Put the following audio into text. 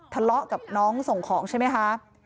ทะเลาะกับน้องส่งของใช่ไหมคะ